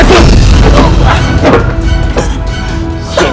dan dia berhasil